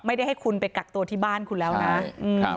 ไม่ได้ให้คุณไปกักตัวที่บ้านคุณแล้วนะใช่ครับ